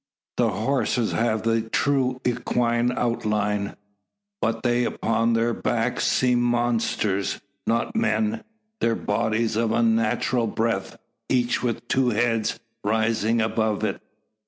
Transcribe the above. The horses have the true equine outline; but they upon their backs seem monsters, not men; their bodies of unnatural breadth, each with two heads rising above it!